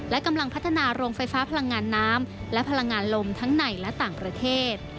และกำลังพัฒนาโรงไฟฟ้าพลังงานน้ำและพลังงานลมทั้งในและต่างประเทศ